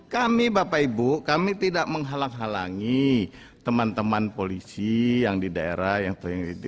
kami bapak ibu kami tidak menghalang halangi teman teman polisi yang di daerah yang terlibat